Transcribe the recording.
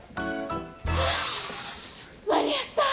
ハァ間に合った！